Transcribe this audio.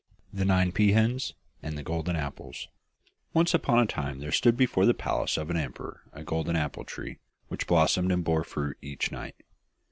THE NINE PEA HENS AND THE GOLDEN APPLES Once upon a time there stood before the palace of an emperor a golden apple tree, which blossomed and bore fruit each night.